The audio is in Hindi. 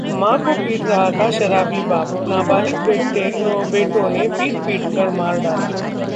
मां को पीट रहा था शराबी बाप, नाबालिग बेटों ने पीट-पीटकर मार डाला